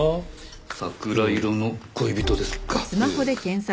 『桜色の恋人』ですか。